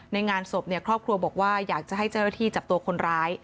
งานศพครอบครัวบอกว่าอยากจะให้เจ้าหน้าที่จับตัวคนร้าย